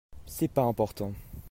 C'est pas important.